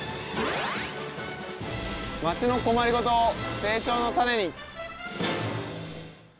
まちの困りごとを成長の種に！